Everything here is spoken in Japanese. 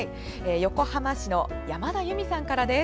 横浜市の山田由美さんからです。